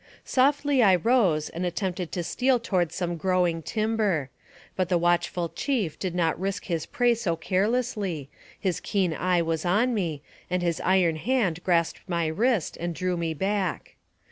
Softly I rose and attempted to steal toward some growing timber; but the watchful chief did not risk his prey so carelessly, his keen eye was on me, and his iron hand grasped my wrist and drew me back.